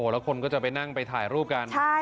แล้วคนก็จะไปนั่งไปถ่ายรูปกัน